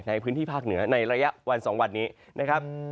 ในพื้นที่ภาคเหนือในระยะวัน๒วันนี้นะครับ